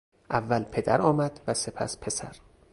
اول پدر آمد و سپس پسر.